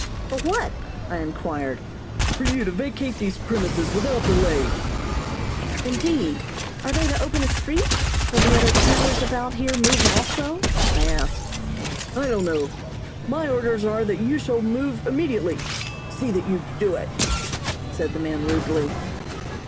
"For what?" I inquired. "For you, to vacate these premises without delay." "Indeed! Are they to open a street? Will the other campers about here move also?" I asked. "I don't know. My orders are that you shall move immediately. See that you do it," said the man rudely.